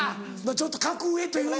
ちょっと格上というのか。